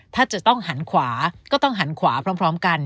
ถ้าจะต้องหันขวาก็ต้องหันขวาพร้อมกัน